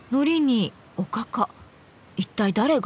一体誰が？